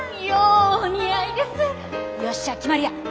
よっしゃ決まりや。